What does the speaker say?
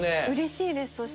うれしいです。